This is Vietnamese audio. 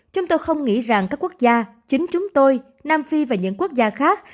chúng tôi không nghĩ rằng các quốc gia chính chúng tôi nam phi và những quốc gia khác